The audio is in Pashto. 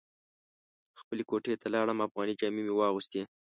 خپلې کوټې ته لاړم افغاني جامې مې واغوستې.